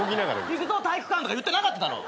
「いくぞ体育館」とか言ってなかっただろ。